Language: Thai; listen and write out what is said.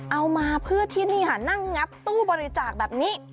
เอามาเพื่อที่นี่ค่ะนั่งงัดตู้บริจาคแบบนี้